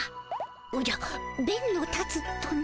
おじゃべんの立つとな？